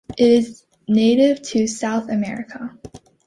It is native to South America.